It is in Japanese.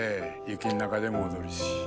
雪の中でも踊るし。